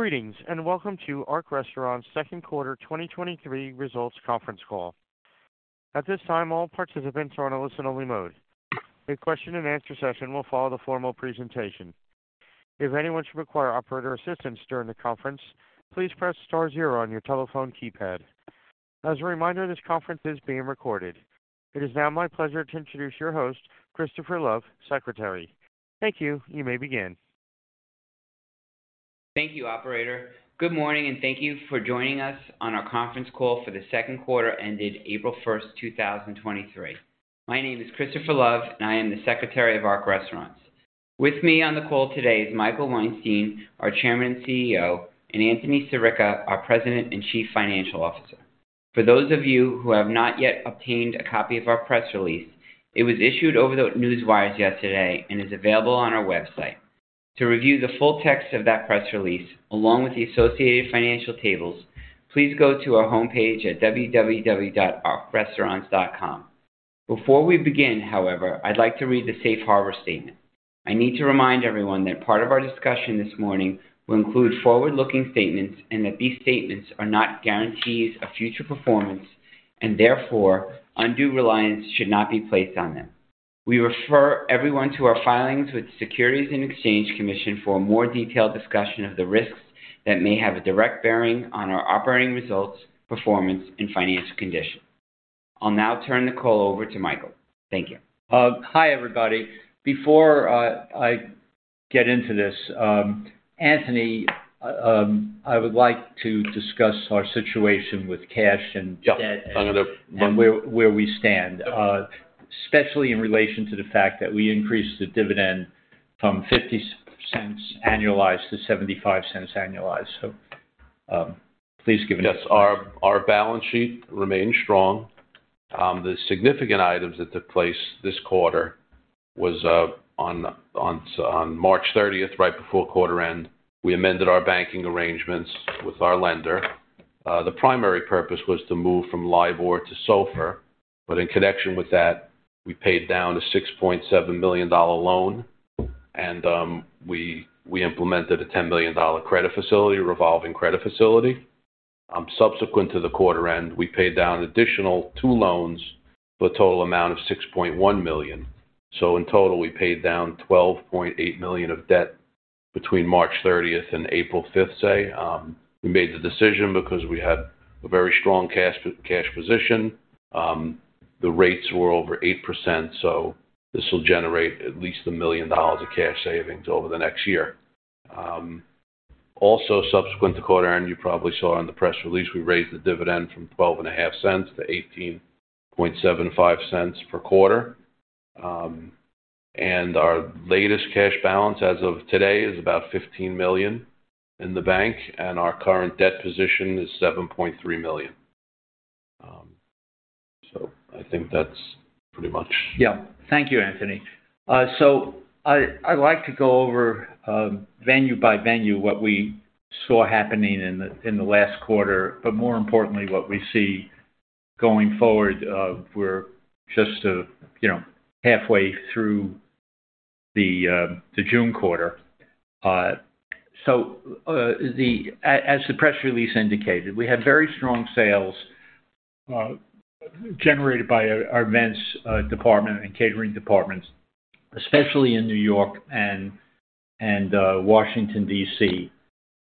Greetings, welcome to Ark Restaurants Second Quarter 2023 Results Conference Call. At this time, all participants are on a listen only mode. A question and answer session will follow the formal presentation. If anyone should require operator assistance during the conference, please press star zero on your telephone keypad. As a reminder, this conference is being recorded. It is now my pleasure to introduce your host, Christopher Love, Secretary. Thank you. You may begin. Thank you, operator. Good morning. Thank you for joining us on our conference call for the second quarter ended April 1st, 2023. My name is Christopher Love, and I am the Secretary of Ark Restaurants. With me on the call today is Michael Weinstein, our Chairman and CEO, and Anthony Sirica, our President and Chief Financial Officer. For those of you who have not yet obtained a copy of our press release, it was issued over the newswire yesterday and is available on our website. To review the full text of that press release along with the associated financial tables, please go to our homepage at www.arkrestaurants.com. Before we begin, however, I'd like to read the Safe Harbor statement. I need to remind everyone that part of our discussion this morning will include forward-looking statements, and that these statements are not guarantees of future performance, and therefore undue reliance should not be placed on them. We refer everyone to our filings with Securities and Exchange Commission for a more detailed discussion of the risks that may have a direct bearing on our operating results, performance, and financial condition. I'll now turn the call over to Michael. Thank you. Hi, everybody. Before, I get into this, Anthony, I would like to discuss our situation with cash. Yeah. where we stand, especially in relation to the fact that we increased the dividend from $0.50 annualized to $0.75 annualized. Please give it to us. Yes. Our balance sheet remains strong. The significant items that took place this quarter was on March 30th, right before quarter end, we amended our banking arrangements with our lender. The primary purpose was to move from LIBOR to SOFR. In connection with that, we paid down a $6.7 million loan, and we implemented a $10 million credit facility, revolving credit facility. Subsequent to the quarter end, we paid down additional two loans for a total amount of $6.1 million. In total, we paid down $12.8 million of debt between March 30th and April 5th, say. We made the decision because we had a very strong cash position. The rates were over 8%, this will generate at least $1 million of cash savings over the next year. Also subsequent to quarter end, you probably saw in the press release, we raised the dividend from $0.125 to $0.1875 per quarter. Our latest cash balance as of today is about $15 million in the bank, our current debt position is $7.3 million. Thank you, Anthony. I'd like to go over venue by venue, what we saw happening in the last quarter, more importantly, what we see going forward. We're just, you know, halfway through the June quarter. As the press release indicated, we had very strong sales generated by our events department and catering departments, especially in New York and Washington, D.C.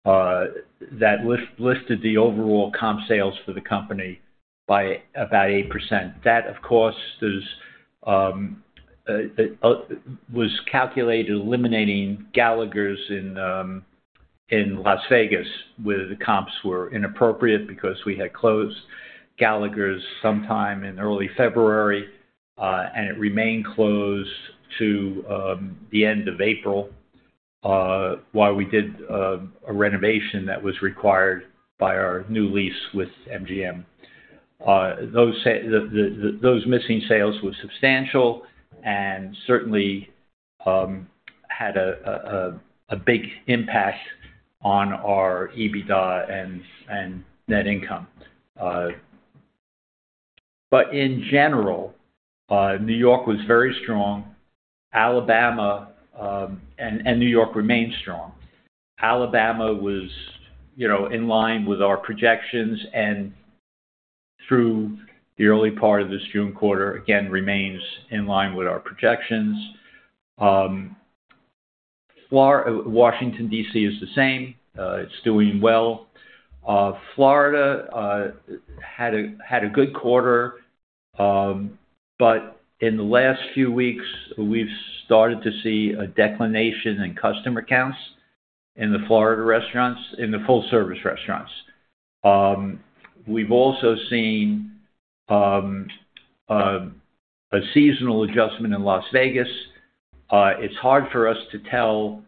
That lifted the overall comp sales for the company by about 8%. That, of course, was calculated eliminating Gallagher's in Las Vegas, where the comps were inappropriate because we had closed Gallagher's sometime in early February, and it remained closed to the end of April, while we did a renovation that was required by our new lease with MGM. Those missing sales were substantial and certainly had a big impact on our EBITDA and net income. In general, New York was very strong. Alabama, and New York remains strong. Alabama was, you know, in line with our projections and through the early part of this June quarter, again, remains in line with our projections. Washington, D.C. is the same. It's doing well. Florida had a good quarter, but in the last few weeks, we've started to see a declination in customer counts in the Florida restaurants, in the full service restaurants. We've also seen a seasonal adjustment in Las Vegas. It's hard for us to tell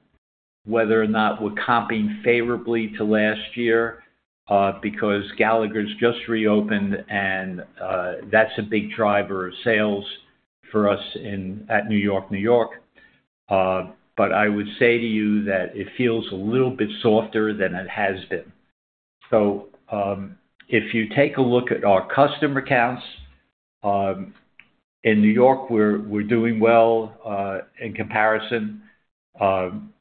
whether or not we're comping favorably to last year, because Gallagher's just reopened, and that's a big driver of sales for us at New York, New York. I would say to you that it feels a little bit softer than it has been. If you take a look at our customer counts, in New York, we're doing well. In comparison,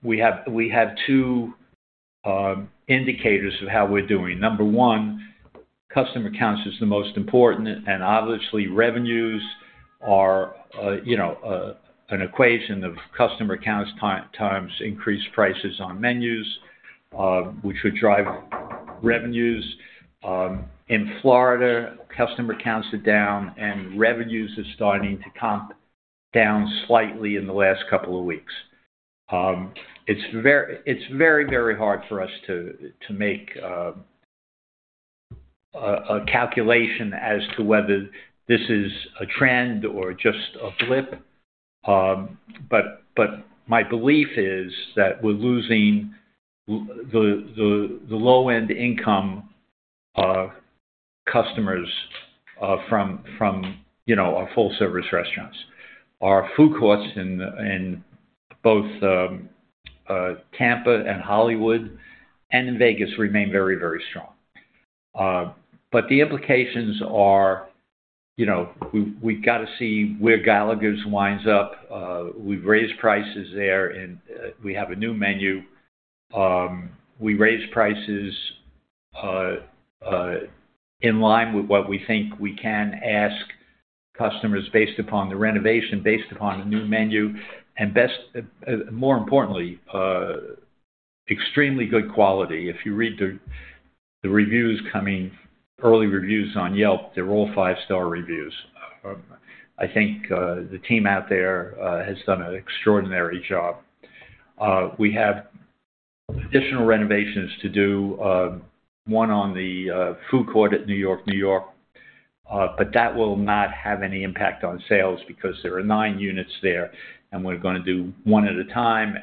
we have two indicators of how we're doing. Number one, customer counts is the most important, obviously revenues are, you know, an equation of customer counts times increased prices on menus, which would drive revenues. In Florida, customer counts are down, revenues are starting to come down slightly in the last couple of weeks. It's very, very hard for us to make a calculation as to whether this is a trend or just a blip. My belief is that we're losing the low-end income customers from, you know, our full-service restaurants. Our food courts in both Tampa and Hollywood and in Vegas remain very, very strong. The implications are, you know, we've gotta see where Gallagher's winds up. We've raised prices there, we have a new menu. We raised prices in line with what we think we can ask customers based upon the renovation, based upon the new menu, and best, more importantly, extremely good quality. If you read the reviews coming, early reviews on Yelp, they're all five-star reviews. I think the team out there has done an extraordinary job. We have additional renovations to do, one on the food court at New York, New York, but that will not have any impact on sales because there are nine units there, and we're gonna do one at a time.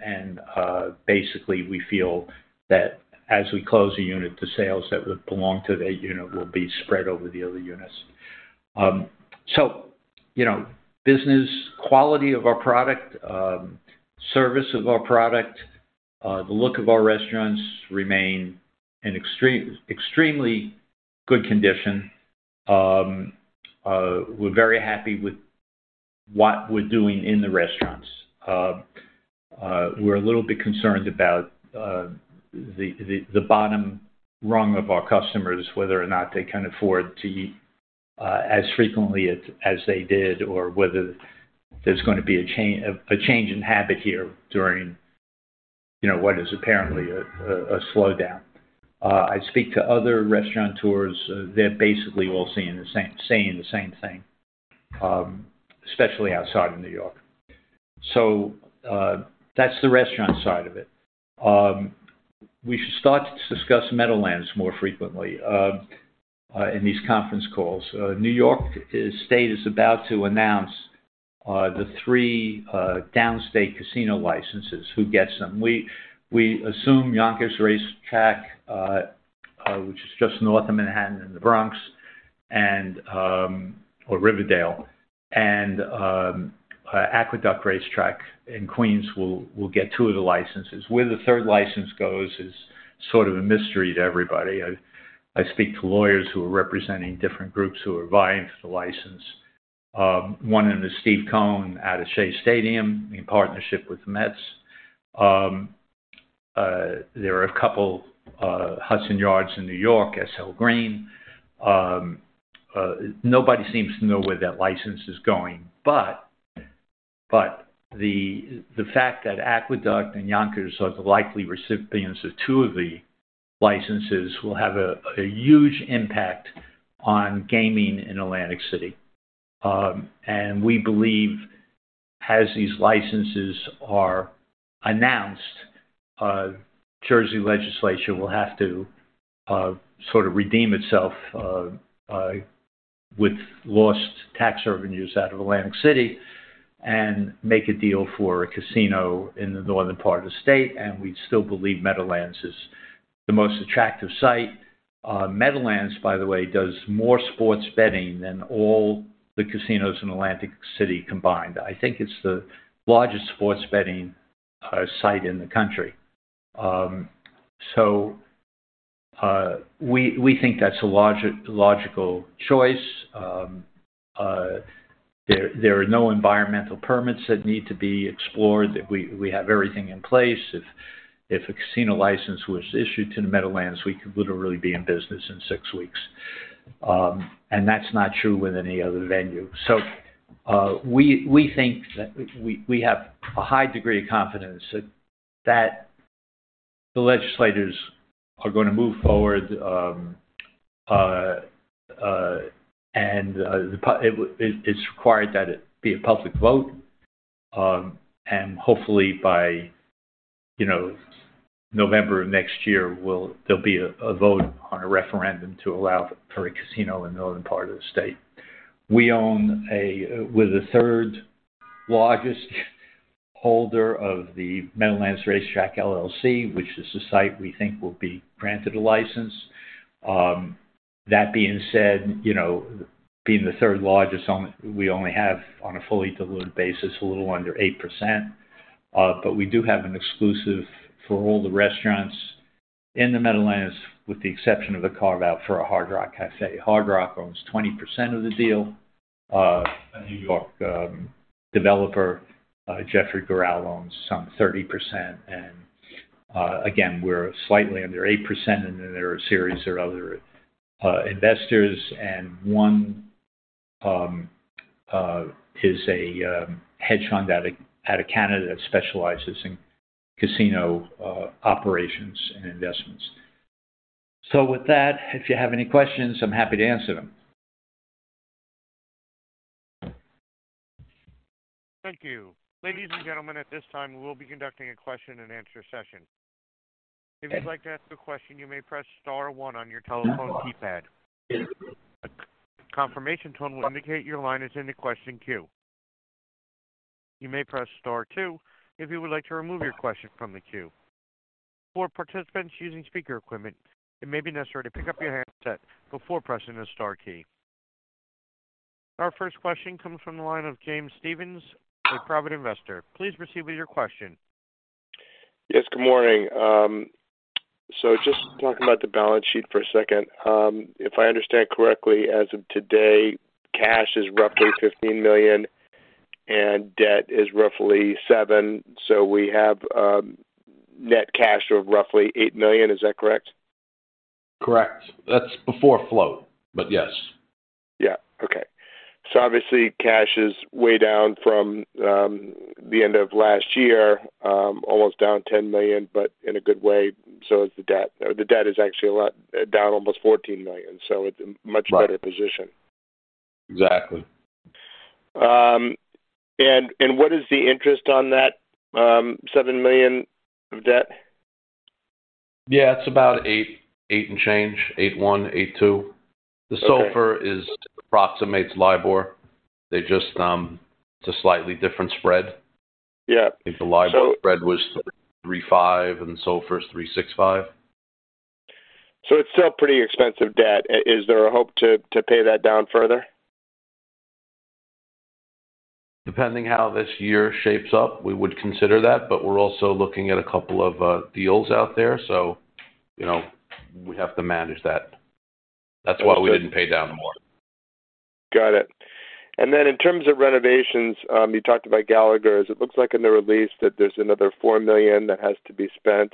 Basically, we feel that as we close a unit, the sales that would belong to that unit will be spread over the other units. You know, business quality of our product, service of our product, the look of our restaurants remain in extremely good condition. We're very happy with what we're doing in the restaurants. We're a little bit concerned about the bottom rung of our customers, whether or not they can afford to eat as frequently as they did or whether there's gonna be a change in habit here during, you know, what is apparently a slowdown. I speak to other restaurateurs. They're basically all saying the same thing, especially outside of New York. That's the restaurant side of it. We should start to discuss Meadowlands more frequently in these conference calls. New York state is about to announce the three downstate casino licenses, who gets them. We assume Yonkers racetrack, which is just north of Manhattan and the Bronx or Riverdale and Aqueduct Racetrack in Queens will get two of the licenses. Where the third license goes is sort of a mystery to everybody. I speak to lawyers who are representing different groups who are vying for the license. One is Steve Cohen out of Shea Stadium in partnership with the Mets. There are a couple, Hudson Yards in New York, SL Green. Nobody seems to know where that license is going. The fact that Aqueduct and Yonkers are the likely recipients of two of the licenses will have a huge impact on gaming in Atlantic City. We believe as these licenses are announced, Jersey legislation will have to sort of redeem itself with lost tax revenues out of Atlantic City and make a deal for a casino in the northern part of the state. We still believe Meadowlands is the most attractive site. Meadowlands, by the way, does more sports betting than all the casinos in Atlantic City combined. I think it's the largest sports betting site in the country. We think that's a logical choice. There are no environmental permits that need to be explored, that we have everything in place. If a casino license was issued to the Meadowlands, we could literally be in business in six weeks. That's not true with any other venue. We think that we have a high degree of confidence that the legislators are gonna move forward, and it's required that it be a public vote. Hopefully by, you know, November of next year, there'll be a vote on a referendum to allow for a casino in the northern part of the state. We own, we're the third-largest holder of the Meadowlands Racetrack LLC, which is the site we think will be granted a license. That being said, you know, being the third largest, we only have, on a fully diluted basis, a little under 8%. We do have an exclusive for all the restaurants in the Meadowlands, with the exception of a carve-out for a Hard Rock Cafe. Hard Rock owns 20% of the deal. A New York developer, Jeffrey Gural, owns some 30%. Again, we're slightly under 8%, and then there are a series of other investors, and one is a hedge fund out of Canada that specializes in casino operations and investments. With that, if you have any questions, I'm happy to answer them. Thank you. Ladies and gentlemen, at this time, we'll be conducting a question and answer session. If you'd like to ask a question, you may press star one on your telephone keypad. A confirmation tone will indicate your line is in the question queue. You may press star two if you would like to remove your question from the queue. For participants using speaker equipment, it may be necessary to pick up your handset before pressing the star key. Our first question comes from the line of James Stevens with Private Investor. Please proceed with your question. Yes, good morning. just talking about the balance sheet for a second. if I understand correctly, as of today, cash is roughly $15 million and debt is roughly $7 million, so we have net cash of roughly $8 million. Is that correct? Correct. That's before float, but yes. Yeah. Okay. Obviously, cash is way down from the end of last year, almost down $10 million, but in a good way, so is the debt. The debt is actually a lot, down almost $14 million, so it's in much better position. Right. Exactly. What is the interest on that, $7 million of debt? Yeah, it's about $8 million and change. $8.1 million, $8.2 million. Okay. The SOFR approximates LIBOR. They just. It's a slightly different spread. Yeah. I think the LIBOR spread was 3.5 and SOFR is 3.65. It's still pretty expensive debt. Is there a hope to pay that down further? Depending how this year shapes up, we would consider that, but we're also looking at a couple of deals out there. You know, we have to manage that. That's why we didn't pay down more. Got it. In terms of renovations, you talked about Gallagher's. It looks like in the release that there's another $4 million that has to be spent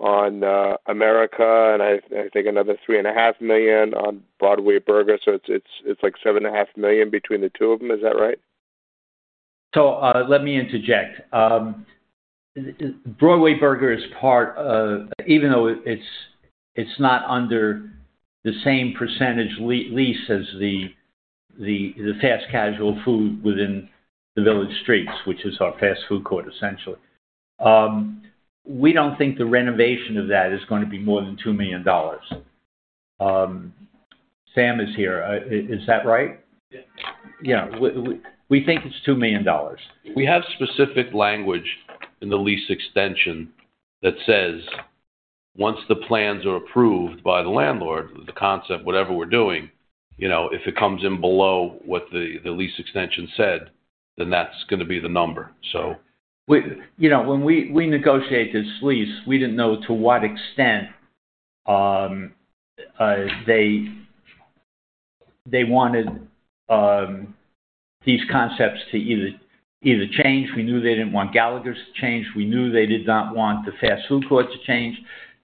on America, and I think another $3.5 million on Broadway Burger. It's like $7.5 million between the two of them. Is that right? Let me interject. Broadway Burger is part of... Even though it's not under the same percentage lease as the fast casual food within the Village Streets, which is our fast food court, essentially. We don't think the renovation of that is going to be more than $2 million. Sam is here. Is that right? Yeah. Yeah. We think it's $2 million. We have specific language in the lease extension that says once the plans are approved by the landlord, the concept, whatever we're doing, you know, if it comes in below what the lease extension said, that's gonna be the number, so. You know, when we negotiated this lease, we didn't know to what extent they wanted these concepts to either change. We knew they didn't want Gallagher's to change. We knew they did not want the fast food court to change.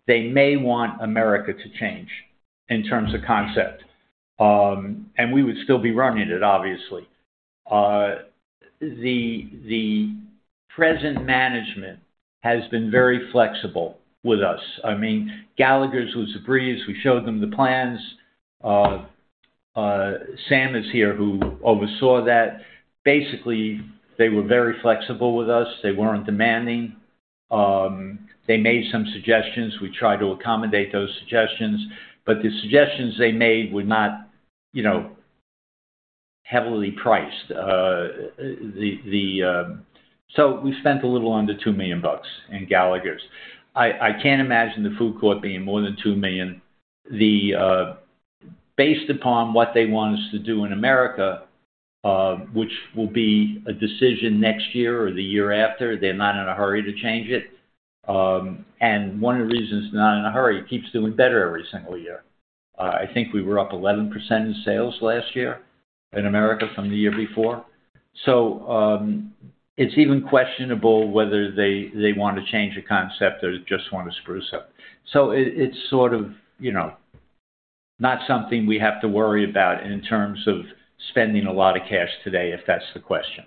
They may want America to change in terms of concept. We would still be running it, obviously. The present management has been very flexible with us. I mean, Gallagher's was a breeze. We showed them the plans. Sam is here, who oversaw that. Basically, they were very flexible with us. They weren't demanding. They made some suggestions. We tried to accommodate those suggestions, the suggestions they made were not, you know, heavily priced. We spent a little under $2 million in Gallagher's. I can't imagine the food court being more than $2 million. Based upon what they want us to do in America, which will be a decision next year or the year after, they're not in a hurry to change it. One of the reasons they're not in a hurry, it keeps doing better every single year. I think we were up 11% in sales last year in America from the year before. It's even questionable whether they want to change the concept or just wanna spruce it. It's sort of, you know, not something we have to worry about in terms of spending a lot of cash today, if that's the question?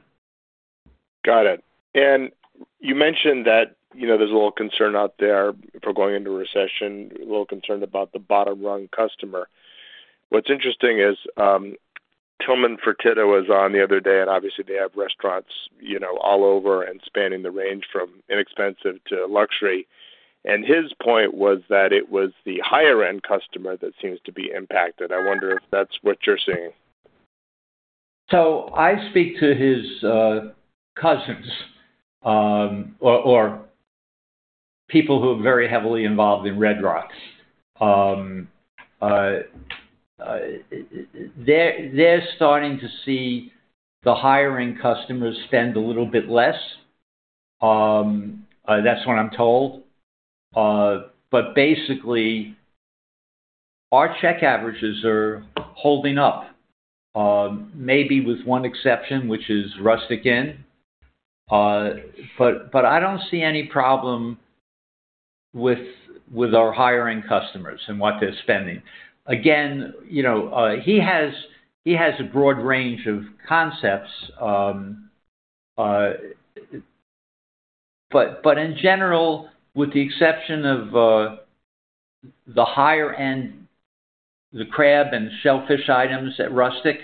Got it. You mentioned that, you know, there's a little concern out there for going into recession, a little concerned about the bottom-rung customer. What's interesting is, Tilman Fertitta was on the other day, obviously they have restaurants, you know, all over and spanning the range from inexpensive to luxury. His point was that it was the higher-end customer that seems to be impacted. I wonder if that's what you're seeing. I speak to his cousins, or people who are very heavily involved in Red Rocks. They're starting to see the hiring customers spend a little bit less, that's what I'm told. Basically, our check averages are holding up, maybe with one exception, which is Rustic Inn. I don't see any problem with our hiring customers and what they're spending. Again, you know, he has a broad range of concepts, in general, with the exception of the higher end, the crab and shellfish items at Rustic,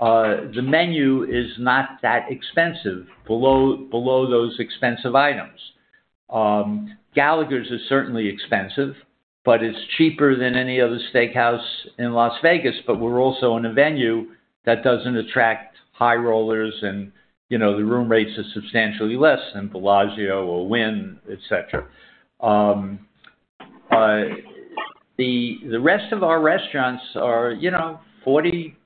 the menu is not that expensive below those expensive items. Gallagher's is certainly expensive, but it's cheaper than any other steakhouse in Las Vegas. We're also in a venue that doesn't attract high rollers and, you know, the room rates are substantially less than Bellagio or Wynn, etc. The rest of our restaurants are, you know, $40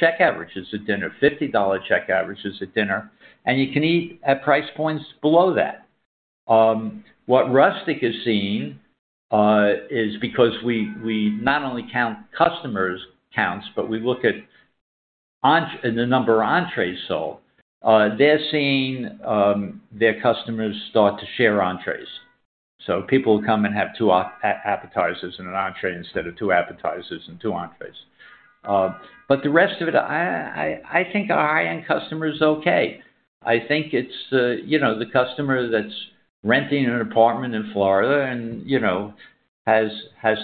check averages at dinner, $50 check averages at dinner, and you can eat at price points below that. What Rustic is seeing is because we not only count customers counts, but we look at the number of entrees sold. They're seeing their customers start to share entrees. People come and have two appetizers and an entree instead of two appetizers and two entrees. The rest of it, I think our high-end customer is okay. I think it's the, you know, the customer that's renting an apartment in Florida and, you know, has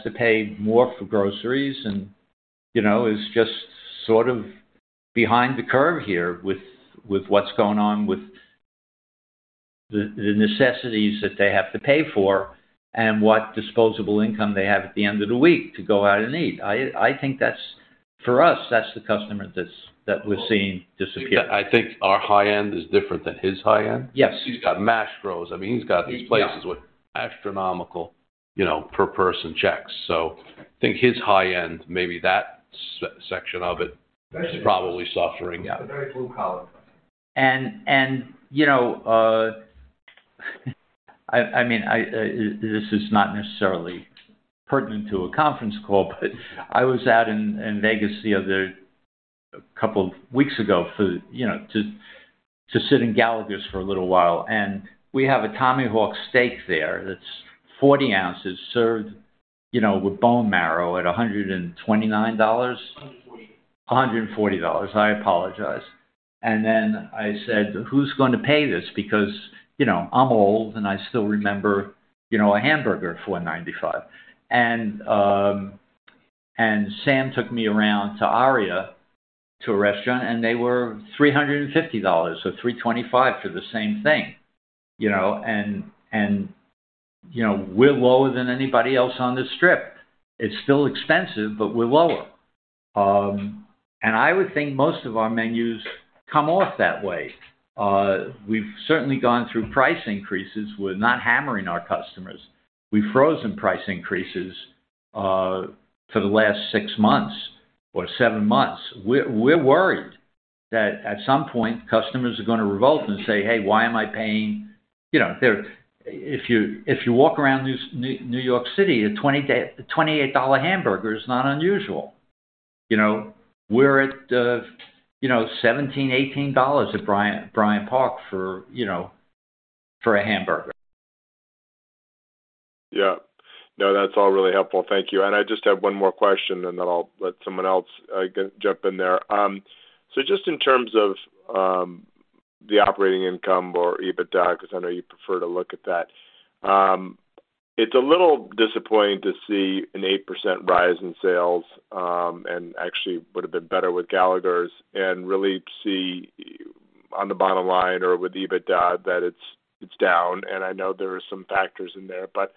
to pay more for groceries and, you know, is just sort of behind the curve here with what's going on with the necessities that they have to pay for and what disposable income they have at the end of the week to go out and eat. I think that's... for us, that's the customer that we're seeing disappear. I think our high end is different than his high end. Yes. He's got [Mash Bros]. I mean, he's got these places with astronomical, you know, per person checks. I think his high end, maybe that section of it is probably suffering. Very full of color. You know, I mean, This is not necessarily pertinent to a conference call, but I was out in Vegas a couple of weeks ago for, you know, to sit in Gallagher's for a little while. We have a tomahawk steak there that's 40 oz served, you know, with bone marrow at $129. 140. $140. I apologize. I said, "Who's going to pay this?" Because, you know, I'm old, and I still remember, you know, a hamburger, $4.95. Sam took me around to Aria to a restaurant, and they were $350, so $325 for the same thing. You know, we're lower than anybody else on the Strip. It's still expensive, but we're lower. I would think most of our menus come off that way. We've certainly gone through price increases. We're not hammering our customers. We've frozen price increases for the last six months or seven months. We're worried that at some point, customers are gonna revolt and say, "Hey, why am I paying..." You know, they're... If you walk around New York City, a $28 dollar hamburger is not unusual. You know, we're at, you know, $17, $18 at Bryant Park for, you know, for a hamburger. Yeah. No, that's all really helpful. Thank you. I just have one more question, and then I'll let someone else jump in there. Just in terms of the operating income or EBITDA, because I know you prefer to look at that, it's a little disappointing to see an 8% rise in sales, and actually would have been better with Gallagher's and really see on the bottom line or with EBITDA that it's down. I know there are some factors in there, but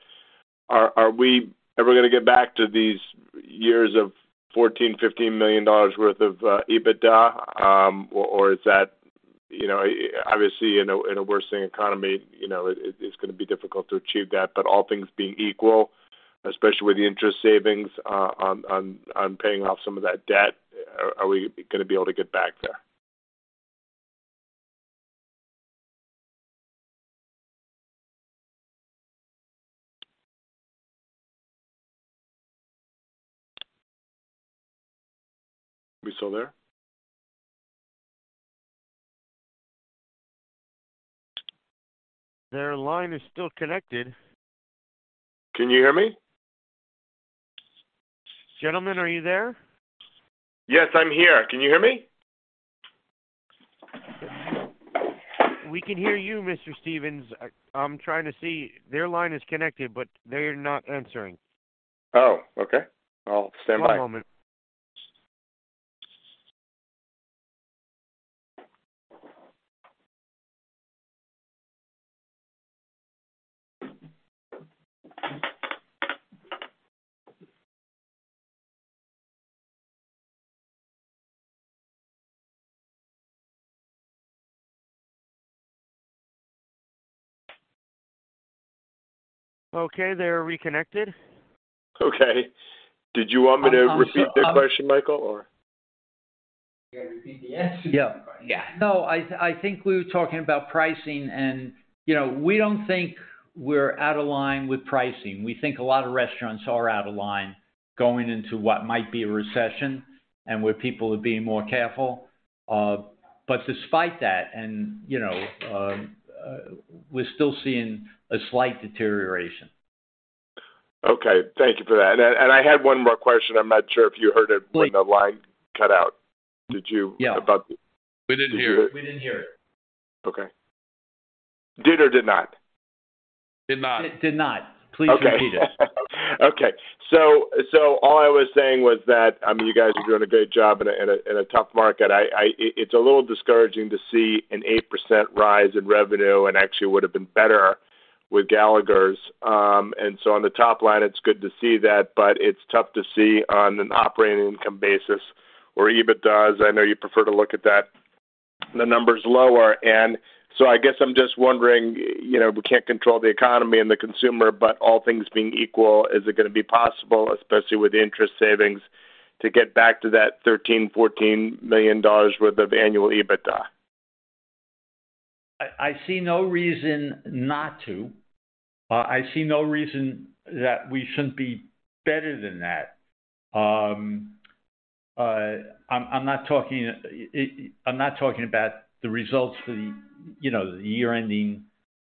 are we ever gonna get back to these years of $14 million-$15 million worth of EBITDA? Or is that, you know... Obviously, in a, in a worsening economy, you know, it's gonna be difficult to achieve that. All things being equal, especially with the interest savings, on paying off some of that debt, are we gonna be able to get back there? Are we still there? Their line is still connected. Can you hear me? Gentlemen, are you there? Yes, I'm here. Can you hear me? We can hear you, Mr. Stevens. I'm trying to see. Their line is connected, but they're not answering. Oh, okay. I'll stand by. One moment. Okay, they're reconnected. Did you want me to repeat their question, Michael, or? You gotta repeat the answer to the question. Yeah. No, I think we were talking about pricing and, you know, we don't think we're out of line with pricing. We think a lot of restaurants are out of line going into what might be a recession and where people are being more careful. Despite that and, you know, we're still seeing a slight deterioration. Okay. Thank you for that. I had one more question. I'm not sure if you heard it when the line cut out. Did you? Yeah. About the- We didn't hear it. We didn't hear it. Okay. Did or did not? Did not. Did not. Please repeat it. Okay. All I was saying was that, I mean, you guys are doing a great job in a, in a, in a tough market. It's a little discouraging to see an 8% rise in revenue and actually would have been better with Gallagher's. On the top line, it's good to see that, but it's tough to see on an operating income basis or EBITDA. I know you prefer to look at that. The number's lower. I guess I'm just wondering, you know, we can't control the economy and the consumer, but all things being equal, is it gonna be possible, especially with interest savings, to get back to that $13 million-$14 million worth of annual EBITDA? I see no reason not to. I see no reason that we shouldn't be better than that. I'm not talking about the results for the, you know, the year ending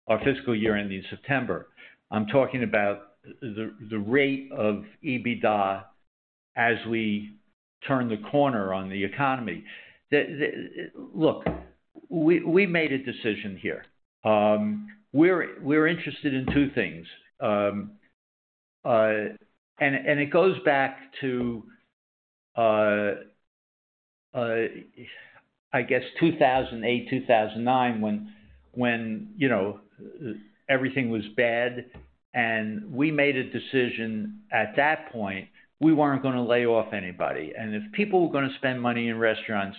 or fiscal year ending September. I'm talking about the rate of EBITDA as we turn the corner on the economy. Look, we made a decision here. We're interested in two things. It goes back to I guess 2008, 2009 when, you know, everything was bad, and we made a decision at that point, we weren't gonna lay off anybody. If people were gonna spend money in restaurants,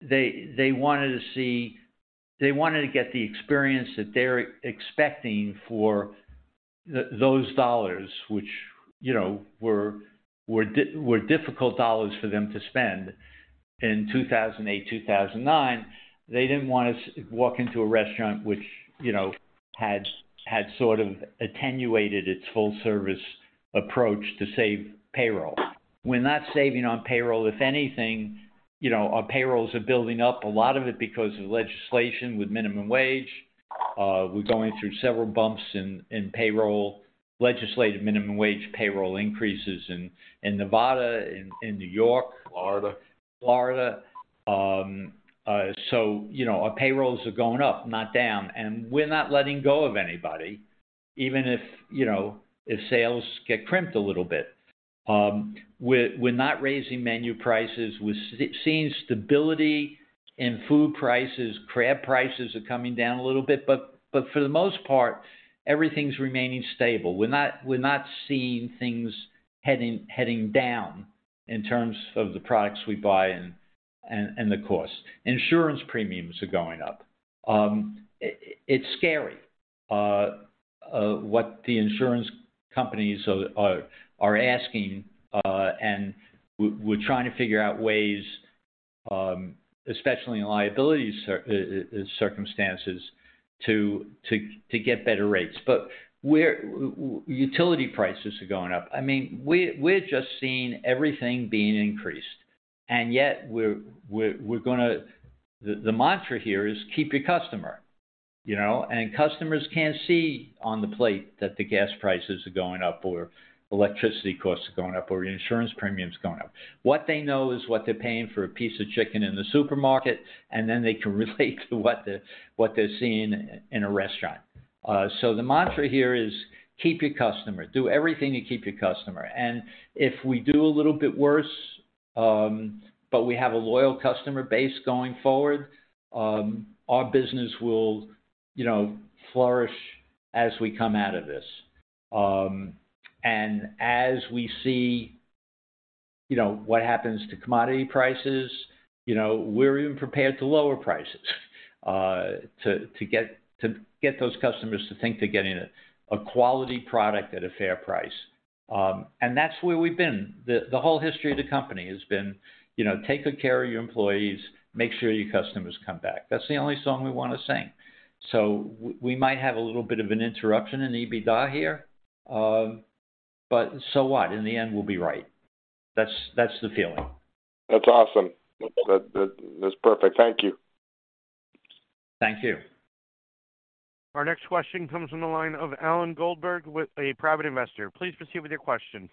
they wanted to get the experience that they're expecting for those dollars, which, you know, were difficult dollars for them to spend. In 2008, 2009, they didn't wanna walk into a restaurant which, you know, had sort of attenuated its full service approach to save payroll. We're not saving on payroll. If anything, you know, our payrolls are building up, a lot of it because of legislation with minimum wage. We're going through several bumps in payroll, legislative minimum wage payroll increases in Nevada, in New York. Florida. Florida. You know, our payrolls are going up, not down. We're not letting go of anybody, even if, you know, if sales get crimped a little bit. We're not raising menu prices. We're seeing stability in food prices. Crab prices are coming down a little bit, but for the most part, everything's remaining stable. We're not seeing things heading down in terms of the products we buy and the cost. Insurance premiums are going up. It's scary what the insurance companies are asking, and we're trying to figure out ways, especially in liability circumstances to get better rates. Utility prices are going up. I mean, we're just seeing everything being increased, and yet we're gonna... The mantra here is keep your customer, you know. Customers can't see on the plate that the gas prices are going up or electricity costs are going up or insurance premium is going up. What they know is what they're paying for a piece of chicken in the supermarket, and then they can relate to what they're, what they're seeing in a restaurant. The mantra here is keep your customer. Do everything to keep your customer. If we do a little bit worse, but we have a loyal customer base going forward, our business will, you know, flourish as we come out of this. As we see, you know, what happens to commodity prices, you know, we're even prepared to lower prices, to get those customers to think they're getting a quality product at a fair price. That's where we've been. The, the whole history of the company has been, you know, take good care of your employees, make sure your customers come back. That's the only song we wanna sing. We might have a little bit of an interruption in EBITDA here, so what? In the end, we'll be right. That's the feeling. That's awesome. That's perfect. Thank you. Thank you. Our next question comes from the line of Alan Goldberg with a private investor. Please proceed with your question.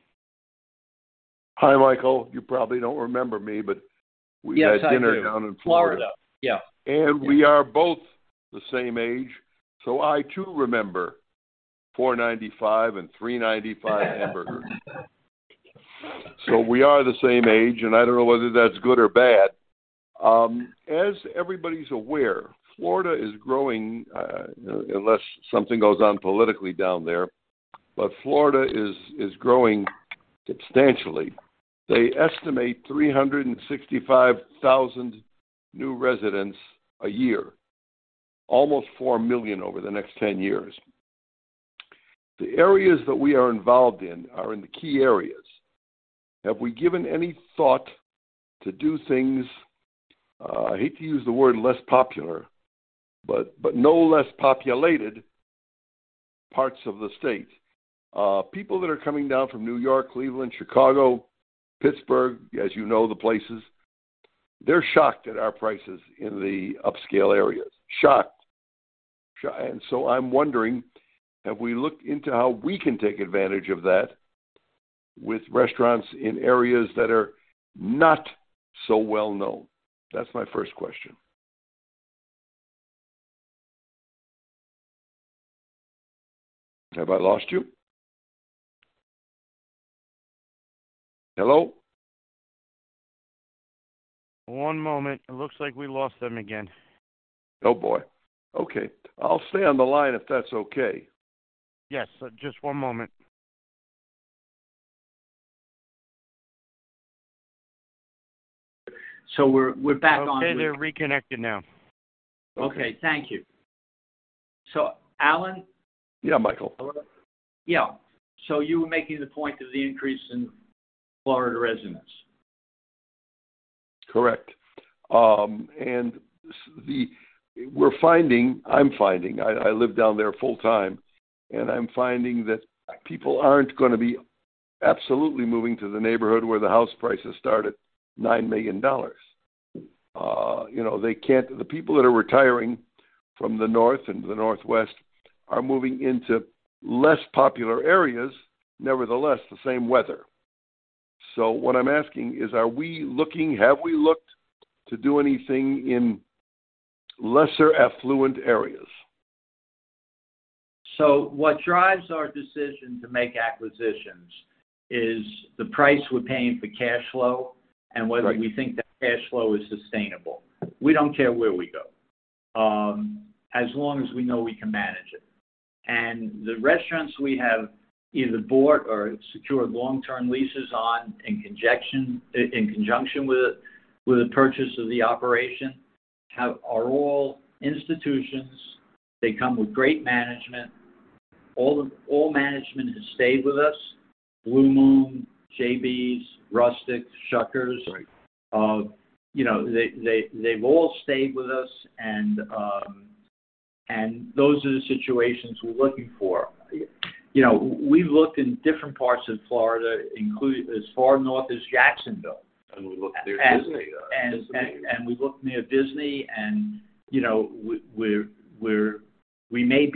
Hi, Michael. You probably don't remember me. Yes, I do.... we had dinner down in Florida. Florida, yeah. We are both the same age, so I too remember $4.95 and $3.95 hamburgers. We are the same age, and I don't know whether that's good or bad. As everybody's aware, Florida is growing, you know, unless something goes on politically down there. Florida is growing substantially. They estimate 365,000 new residents a year, almost 4 million over the next 10 years. The areas that we are involved in are in the key areas. Have we given any thought to do things, I hate to use the word less popular, but no less populated parts of the state. People that are coming down from New York, Cleveland, Chicago, Pittsburgh, as you know the places, they're shocked at our prices in the upscale areas. Shocked. I'm wondering, have we looked into how we can take advantage of that with restaurants in areas that are not so well known? That's my first question. Have I lost you? Hello? One moment. It looks like we lost him again. Oh, boy. Okay, I'll stay on the line if that's okay. Yes, just one moment. We're back on. Okay. They're reconnected now. Okay. Thank you. Alan? Yeah, Michael. Yeah. You were making the point of the increase in Florida residents. Correct. We're finding, I'm finding, I live down there full time, I'm finding that people aren't gonna be absolutely moving to the neighborhood where the house prices start at $9 million. You know, the people that are retiring from the north and the northwest are moving into less popular areas, nevertheless, the same weather. What I'm asking is, have we looked to do anything in lesser affluent areas? what drives our decision to make acquisitions is the price we're paying for cash flow. Right. Whether we think that cash flow is sustainable. We don't care where we go, as long as we know we can manage it. The restaurants we have either bought or secured long-term leases on in conjunction with the purchase of the operation are all institutions. They come with great management. All management has stayed with us. Blue Moon, JB's, Rustic, Shuckers. Right. You know, they've all stayed with us. Those are the situations we're looking for. You know, we've looked in different parts of Florida, as far north as Jacksonville. We looked near Disney. We've looked near Disney and, you know, we're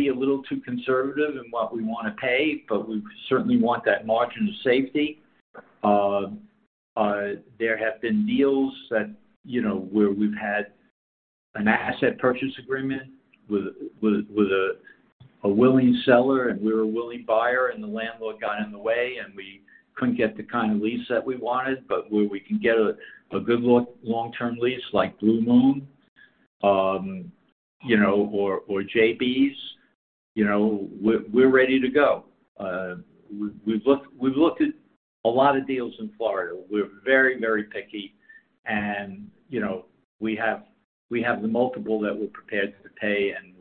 a little too conservative in what we wanna pay, but we certainly want that margin of safety. There have been deals that, you know, where we've had an asset purchase agreement with a willing seller, and we're a willing buyer, and the landlord got in the way, and we couldn't get the kind of lease that we wanted. Where we can get a good long-term lease like Blue Moon, you know, or JB's, you know, we're ready to go. We've looked at a lot of deals in Florida. We're very picky and, you know, we have the multiple that we're prepared to pay, and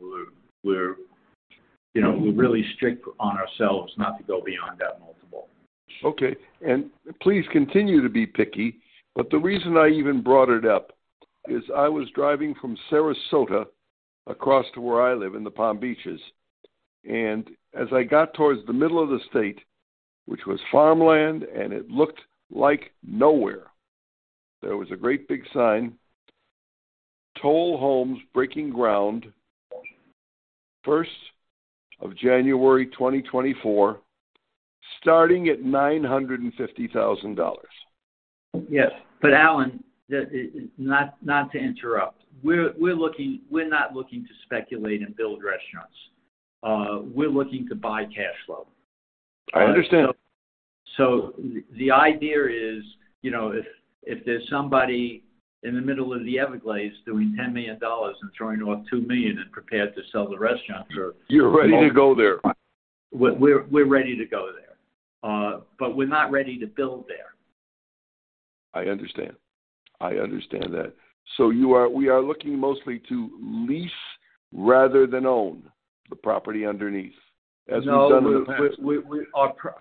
we're, you know, we're really strict on ourselves not to go beyond that multiple. Okay. Please continue to be picky, but the reason I even brought it up is I was driving from Sarasota across to where I live in the Palm Beaches. As I got towards the middle of the state, which was farmland, and it looked like nowhere, there was a great big sign, "Tall homes breaking ground, 1st of January 2024, starting at $950,000. Yes. Alan, not to interrupt, we're not looking to speculate and build restaurants. We're looking to buy cash flow. I understand. The idea is, you know, if there's somebody in the middle of the Everglades doing $10 million and throwing off $2 million and prepared to sell the restaurants. You're ready to go there. We're ready to go there. We're not ready to build there. I understand. I understand that. We are looking mostly to lease rather than own the property underneath, as we've done in the past. No. We...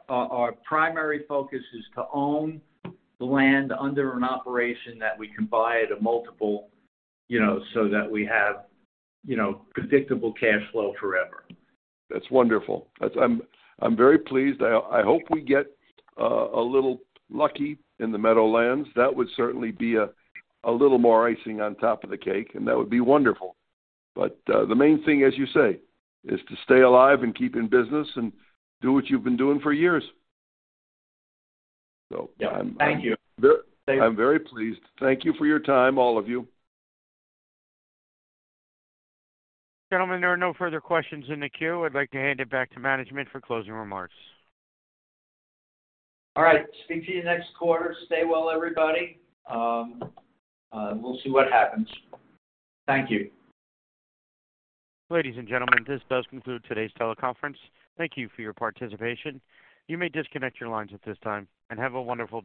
Our primary focus is to own the land under an operation that we can buy at a multiple, you know, so that we have, you know, predictable cash flow forever. That's wonderful. That's. I'm very pleased. I hope we get a little lucky in the Meadowlands. That would certainly be a little more icing on top of the cake, and that would be wonderful. The main thing, as you say, is to stay alive and keep in business and do what you've been doing for years. I'm- Yeah. Thank you. I'm very pleased. Thank you for your time, all of you. Gentlemen, there are no further questions in the queue. I'd like to hand it back to management for closing remarks. All right. Speak to you next quarter. Stay well, everybody. We'll see what happens. Thank you. Ladies and gentlemen, this does conclude today's teleconference. Thank you for your participation. You may disconnect your lines at this time, and have a wonderful day.